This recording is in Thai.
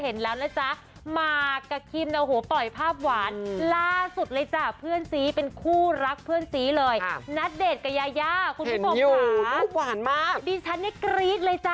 หวานหวานทะเลจืดกันไปเลยค่ะ